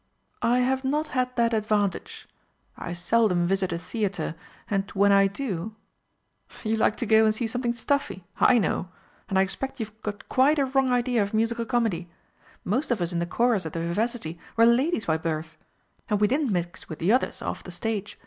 "I have not had that advantage. I seldom visit a theatre, and when I do " "You like to go and see something stuffy? I know. And I expect you've got quite a wrong idea of Musical Comedy. Most of us in the Chorus at the Vivacity were ladies by birth. And we didn't mix with the others, off the stage.